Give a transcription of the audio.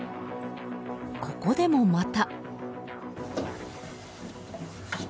ここでもまた。